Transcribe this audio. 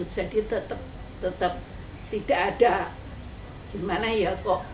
jadi tetap tetap tidak ada gimana ya kok